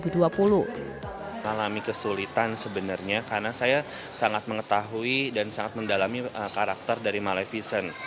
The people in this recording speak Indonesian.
mengalami kesulitan sebenarnya karena saya sangat mengetahui dan sangat mendalami karakter dari maleficent